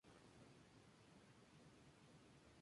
Irarrázaval con Av.